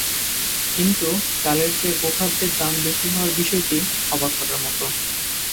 কিন্তু চালের চেয়ে গো-খাদ্যের দাম বেশি হওয়ার বিষয়টি অবাক করার মতো।